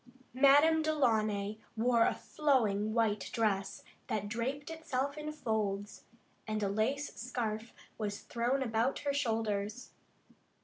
Madame Delaunay wore a flowing white dress that draped itself in folds, and a lace scarf was thrown about her shoulders.